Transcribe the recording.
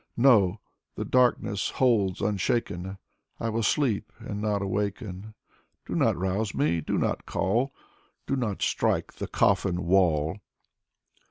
'* No. The darkness holds unshaken. I will sleep, and not awaken. Do not rouse me. Do not call. Do not strike the coffin wall."